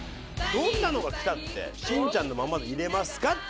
どんなのがきたってしんちゃんのままでいれますか？